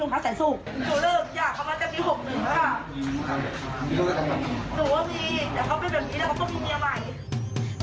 หนูว่ามีแต่เขาเป็นแบบนี้แล้วเขาก็มีเมียใหม่